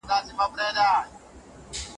یوه رڼه اوښکه